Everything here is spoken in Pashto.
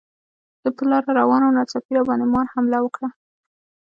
زه په لاره روان وم، ناڅاپي راباندې مار حمله وکړه.